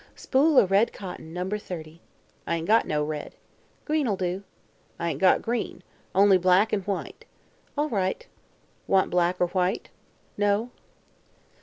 "Spool o' red cotton, number thirty." "Ain't got no red." "Green'll do." "Ain't got green. Only black an' white." "All right." "Want black or white?" "No."